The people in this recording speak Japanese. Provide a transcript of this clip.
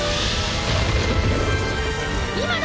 今だ！